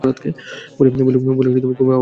বলে কুমু আবার ঘর থেকে চলে গেল।